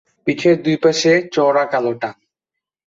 পিঠের দুই পাশে চওড়া কালো টান।